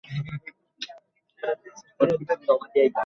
তবে ক্যামেরাগুলোয় তোলা ছবি জুম করে দেখলে অস্পষ্ট হয়ে যায় এমন অভিযোগ আছে।